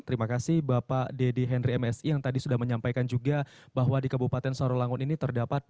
terima kasih bapak dedy henry msi yang tadi sudah menyampaikan juga bahwa di kabupaten sarawangun ini terdapat dua puluh satu resmi